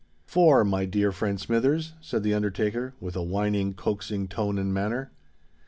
"Four, my dear friend Smithers?" said the undertaker, with a whining, coaxing tone and manner.